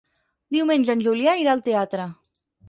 Diumenge en Julià irà al teatre.